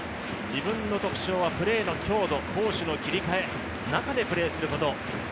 自分の特徴はプレーの強度、攻守の切り替え、中でプレーすること。